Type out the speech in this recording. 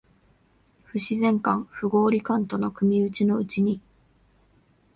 不自然感、不合理感との組打ちのうちに、